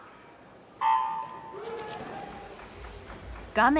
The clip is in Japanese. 画面